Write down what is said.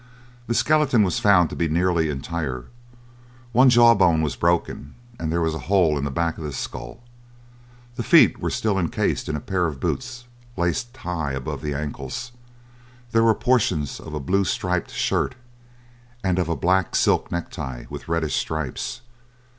The skeleton was found to be nearly entire; one jaw bone was broken, and there was a hole in the back of the skull. The feet were still encased in a pair of boots laced high above the ankles. There were portions of a blue striped shirt, and of a black silk necktie with reddish stripes.